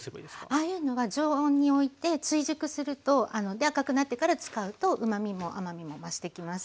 ああいうのは常温において追熟するとで赤くなってから使うとうまみも甘みも増していきます。